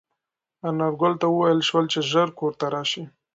انارګل ته وویل شول چې ژر کور ته راشي.